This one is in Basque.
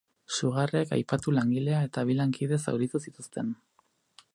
Sugarrek aipatu langilea eta bi lankide zauritu zituzten.